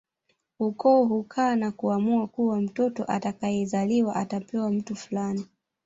Ukoo hukaa na kuamua kuwa mtoto atakayezaliwa atapewa mtu fulani